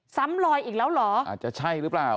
ซ้ำลอยอีกแล้วเหรออาจจะใช่หรือเปล่า